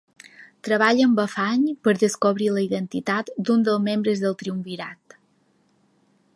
Treballi amb afany per descobrir la identitat d'un dels membres del triumvirat.